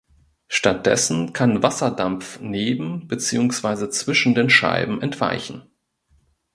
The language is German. Stattdessen kann Wasserdampf neben beziehungsweise zwischen den Scheiben entweichen.